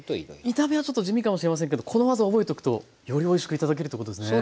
見た目はちょっと地味かもしれませんけどこの技覚えとくとよりおいしく頂けるってことですね。